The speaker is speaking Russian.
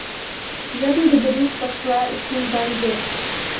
Я благодарю посла Зимбабве.